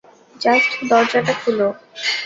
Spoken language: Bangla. জাস্ট দরজাটা খুলো!